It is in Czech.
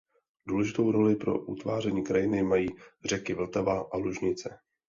Důležitou roli pro utváření krajiny mají řeky Vltava a Lužnice.